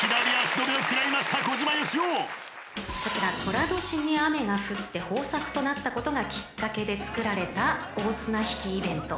［こちら寅年に雨が降って豊作となったことがきっかけでつくられた大綱引きイベント］